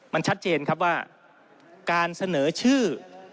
มันชัดเจนครับว่าการเสนอชื่อ